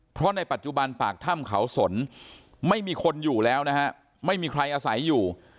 เพราะในปัจจุบันปากถ้ำเขาสนไม่มีคนอยู่แล้วนะฮะไม่มีใครอาศัยอยู่